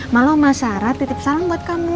malah oma sarah titip salam buat kamu